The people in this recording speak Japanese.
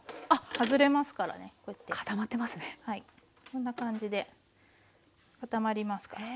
こんな感じで固まりますから。